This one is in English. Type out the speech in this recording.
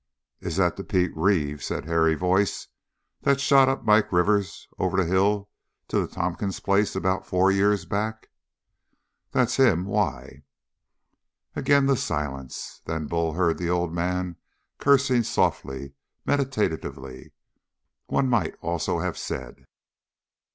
"Is that the Pete Reeve," said Harry's voice, "that shot up Mike Rivers over the hill to the Tompkins place, about four year back?" "That's him. Why?" Again the silence. Then Bull heard the old man cursing softly meditatively, one might almost have said.